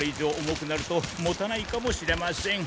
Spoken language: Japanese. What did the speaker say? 重くなるともたないかもしれません。